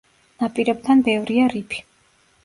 ნაპირებთან ბევრია რიფი.